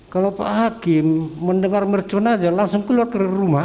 kalau pak hakim mendengar mercon aja langsung keluar ke rumah